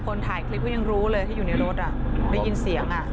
ถ่ายคลิปก็ยังรู้เลยที่อยู่ในรถได้ยินเสียง